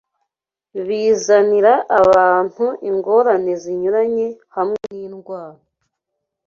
bizanira abantu ingorane zinyuranye hamwe n’indwara